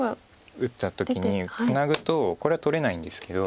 打った時にツナぐとこれは取れないんですけど。